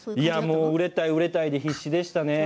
売れたい、売れたいと必死でした。